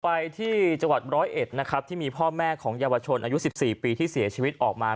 ไปที่จังหวัดร้อยเอ็ดนะครับที่มีพ่อแม่ของเยาวชนอายุ๑๔ปีที่เสียชีวิตออกมา